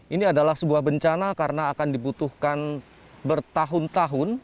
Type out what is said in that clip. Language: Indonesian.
ini adalah sebuah bencana karena akan dibutuhkan bertahun tahun